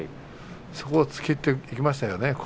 そこを突っ切っていきましたね。